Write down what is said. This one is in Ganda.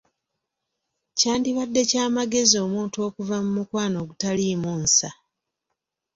Kyandibadde kya magezi omuntu okuva mu mukwano ogutaliimu nsa.